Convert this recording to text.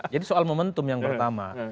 jadi soal momentum yang pertama